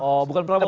oh bukan prabowo